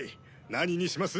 何にします？